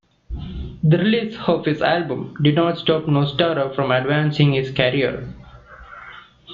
The release of his album did not stop Noztra from advancing his career.